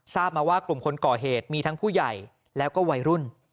ทราบมาว่ากลุ่มคนก่อเหตุมีทั้งผู้ใหญ่แล้วก็วัยรุ่น